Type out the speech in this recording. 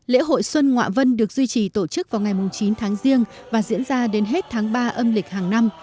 lễ hội xuân ngoạ vân được duy trì tổ chức vào ngày chín tháng riêng và diễn ra đến hết tháng ba âm lịch hàng năm